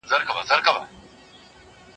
بله ئې دا انګيزه ورکړه.